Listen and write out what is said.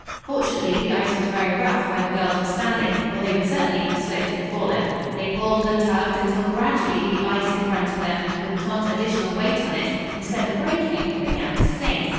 Fortunately the ice was very rough where the girls were standing, or they would certainly have slipped and fallen. They pulled and tugged until gradually the ice in front of them, with Tom's additional weight on it, instead of breaking began to sink.